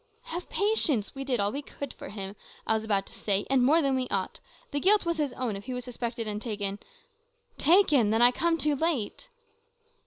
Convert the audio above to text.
"Have patience. We did all we could for him, I was about to say; and more than we ought. The fault was his own, if he was suspected and taken " "Taken! Then I come too late."